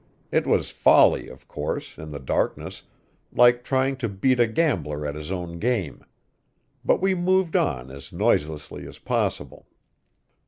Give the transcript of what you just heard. It was folly, of course, in the darkness like trying to beat a gambler at his own game. But we moved on as noiselessly as possible.